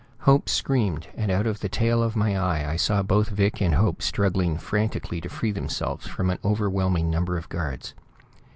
Hope screamed, and out of the tail of my eye I saw both Vic and Hope struggling frantically to free themselves from an overwhelming number of guards.